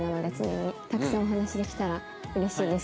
たくさんお話しできたら嬉しいです。